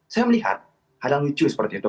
saya melihat hal yang lucu seperti itu